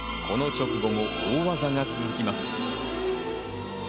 この直後も大技が続きます。